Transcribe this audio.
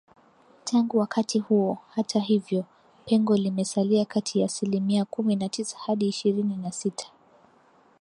Tangu wakati huo, hata hivyo, pengo limesalia kati ya asilimia kumi na tisa hadi isihirini na sita